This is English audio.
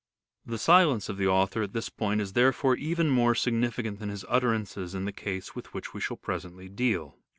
The silence of the author at this point is therefore even more significant than his utterances in the case with which we shall presently deal.